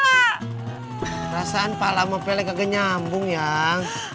perasaan pala sama pele kagak nyambung yang